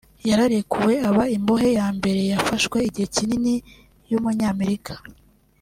yararekuwe aba imbohe ya mbere yafashwe igihe kinini y’umunyamerika